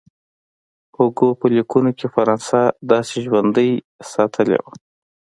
هوګو په لیکونو کې فرانسه داسې ژوندۍ ساتلې وه.